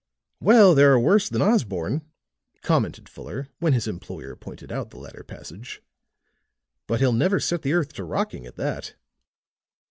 "Well, there are worse than Osborne," commented Fuller when his employer pointed out the latter passage, "but he'll never set the earth to rocking, at that."